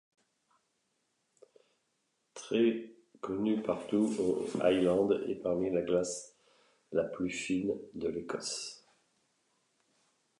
Très connu partout aux Highlands et parmi la glace la plus fine de l'Écosse.